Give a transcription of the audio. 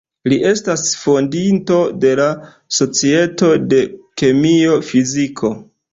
Li estas fondinto de la Societo de kemio-fiziko.